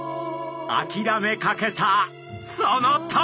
あきらめかけたその時！